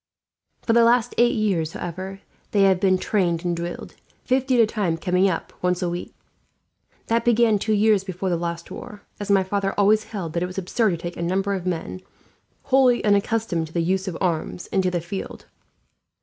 For the last eight years, however, they have been trained and drilled; fifty at a time coming up, once a week. That began two years before the last war, as my father always held that it was absurd to take a number of men, wholly unaccustomed to the use of arms, into the field.